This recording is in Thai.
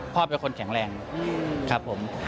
พ่อเป็นคนแข็งแรงครับผม